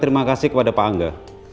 terima kasih kepada pak angga